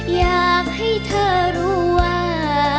อยากให้เธอรู้ว่า